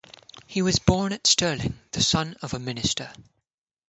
He was born at Stirling, the son of a minister.